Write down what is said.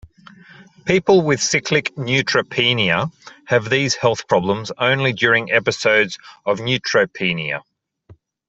People with cyclic neutropenia have these health problems only during episodes of neutropenia.